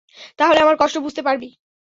তাহলে আমার কষ্ট বুঝতে পারবি।